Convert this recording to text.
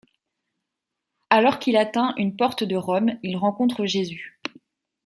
Alors qu'il atteint une porte de Rome, il rencontre Jésus.